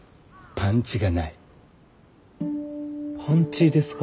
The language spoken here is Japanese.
パンチですか？